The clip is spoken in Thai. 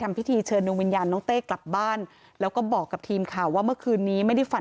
เมื่อช่วงเย็นที่ผ่านมานะคะ